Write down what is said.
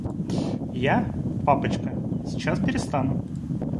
Я, папочка, сейчас перестану.